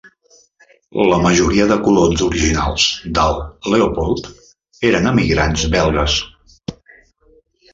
La majoria de colons originals del Leopold eren emigrants belgues.